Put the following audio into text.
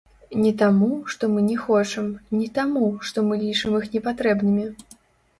Не таму, што мы не хочам, не таму, што мы лічым іх непатрэбнымі.